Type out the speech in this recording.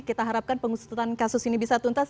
kita harapkan pengusutan kasus ini bisa tuntas